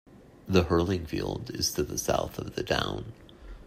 The hurling field is to the south of the town.